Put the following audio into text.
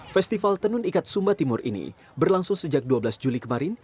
festival tenun ikat sumba timur ini berlangsung sejak dua belas juli kemarin